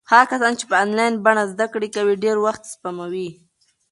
هغه کسان چې په انلاین بڼه زده کړې کوي ډېر وخت سپموي.